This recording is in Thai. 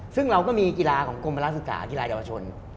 ซึ่งเราก็มีกีฬาของกรมราศุกร์กีฬาอินทรัพย์ชน